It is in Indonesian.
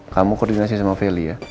kamu koordinasi sama vali ya